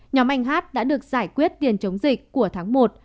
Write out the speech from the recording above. nhóm anh hát đã được giải quyết tiền chống dịch của tháng một